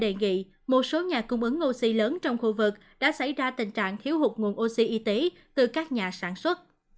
bộ y tế đã đề nghị một số nhà cung ứng oxy lớn trong khu vực đã xảy ra tình trạng thiếu hụt nguồn oxy y tế từ các nhà sản xuất